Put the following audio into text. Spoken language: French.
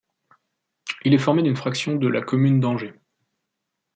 Il est formé d'une fraction de la commune d'Angers.